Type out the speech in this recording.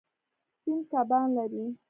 سیند کبان لري.